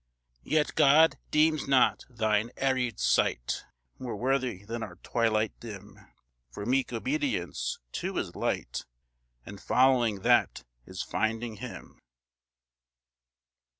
Yet God deems not thine aëried sight More worthy than our twilight dim, For meek Obedience, too, is Light, And following that is finding Him.